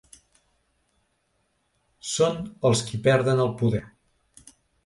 Són els qui perden poder.